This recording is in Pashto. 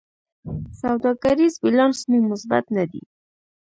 سوداګریز بیلانس مو مثبت نه دی.